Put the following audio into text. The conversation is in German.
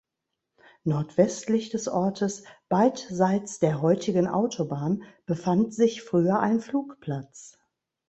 Nordwestlich des Ortes, beidseits der heutigen Autobahn befand sich früher ein Flugplatz.